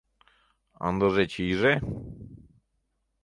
Ындыже чийыже.